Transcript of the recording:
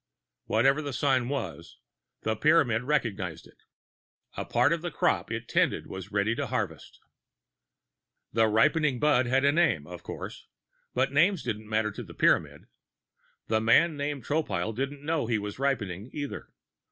Whatever the sign was, the Pyramid recognized it. A part of the crop it tended was ready to harvest. The ripening bud had a name, of course, but names didn't matter to the Pyramid. The man named Tropile didn't know he was ripening, either.